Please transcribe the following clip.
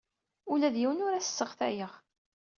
Ula d yiwen ur as-sseɣtayeɣ.